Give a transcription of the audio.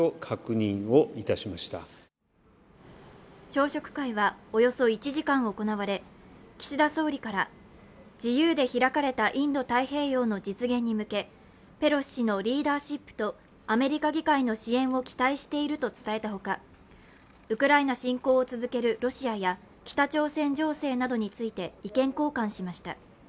朝食会はおよそ１時間行われ、岸田総理から自由で開かれたインド太平洋の実現に向け、ペロシ氏のリーダーシップとアメリカ議会の支援を期待していると伝えたほか、ウクライナ侵攻を続けるロシアや北朝鮮情勢などについて意見交換しました。